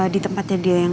di tempatnya dia yang